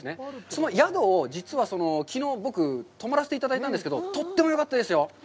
その宿を実は、きのう、僕、泊まらせていただいたんですけど、とってもよかったですよ。